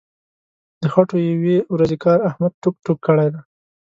د خټو یوې ورځې کار احمد ټوک ټوک کړی دی.